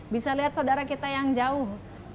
bisa lihat saudara kita yang jauh